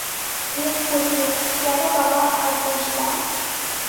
হেম কহিল, কেন বাবা আমার দোষ দাও?